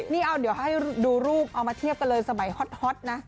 นี่เอาเดี๋ยวให้ดูรูปเอามาเทียบกันเลยสมัยฮอตนะ